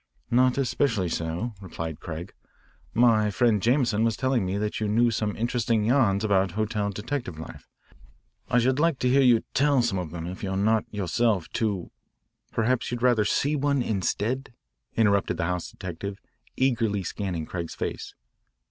"Not especially so," replied Craig. "My friend Jameson was telling me that you knew some interesting yarns about hotel detective life. I should like to hear you tell some of them, if you are not yourself too " "Perhaps you'd rather see one instead?" interrupted the house detective, eagerly scanning Craig's face.